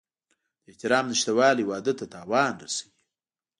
د احترام نشتوالی واده ته تاوان رسوي.